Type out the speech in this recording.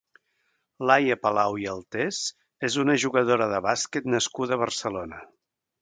Laia Palau i Altés és una jugadora de basquet nascuda a Barcelona.